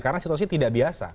karena situasi tidak biasa